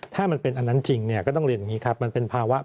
ถ้ามันเป็นอันนั้นจริงเนี่ยก็ต้องเรียนอย่างนี้ครับ